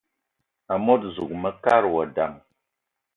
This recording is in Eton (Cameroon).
Amot zuga mekad wa dam: